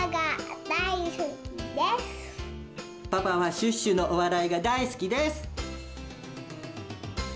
パパはシュッシュのおわらいがだいすきです。